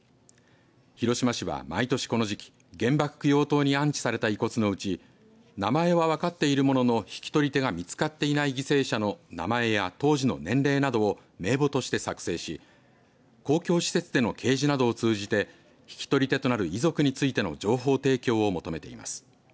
広島市は毎年この時期原爆供養塔に安置された遺骨のうち名前は分かっているものの引き取り手が見つかっていない犠牲者の名前や当時の年齢などを名簿として作成し公共施設での掲示などを通じて引き取り手となる遺族についての情報提供を求めています。